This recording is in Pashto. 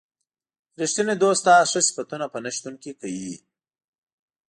ریښتینی دوست ستا ښه صفتونه په نه شتون کې کوي.